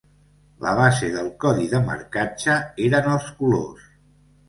La base del codi de marcatge eren els colors.